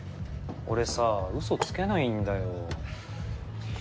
俺さぁ嘘つけないんだよ。